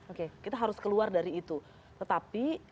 oke kita harus keluar dari itu tetapi